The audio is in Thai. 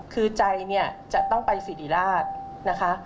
คือใจจะต้องไปสิริราชนะคะ